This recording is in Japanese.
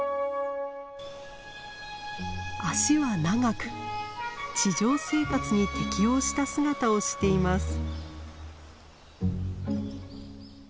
脚は長く地上生活に適応した姿をしています。